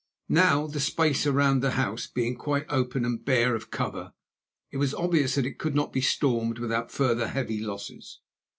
Now, the space around the house being quite open and bare of cover, it was obvious that it could not be stormed without further heavy losses.